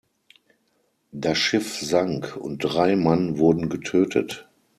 Das Schiff sank, und drei Mann wurden getötet.